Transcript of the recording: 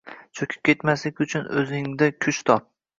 Cho‘kib ketmaslik uchun o‘zingda kuch top.